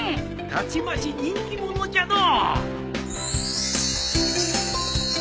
たちまち人気者じゃのう。